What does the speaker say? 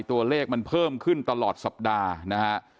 ตัวเลขมันเพิ่มขึ้นตลอดสัปดาห์นะฮะ